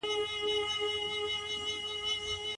د پوهنتونونو د انګړ پاکوالي ته ډېره پاملرنه نه کيده.